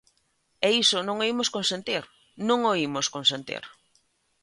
E iso non o imos consentir, non o imos consentir.